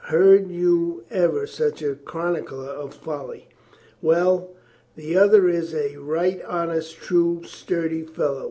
Heard you ever such a chronicle of folly? Well. The other is a right honest, true, sturdy fellow.